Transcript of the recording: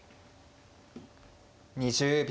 ２０秒。